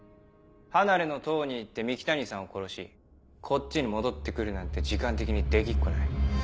離れの塔に行って三鬼谷さんを殺しこっちに戻って来るなんて時間的にできっこない。